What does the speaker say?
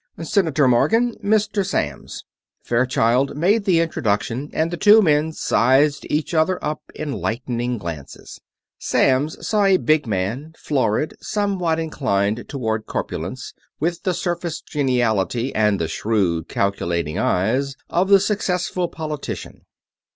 "Senator Morgan, Mr. Samms," Fairchild made the introduction and the two men sized each other up in lightning glances. Samms saw a big man, florid, somewhat inclined toward corpulence, with the surface geniality and the shrewd calculating eyes of the successful politician.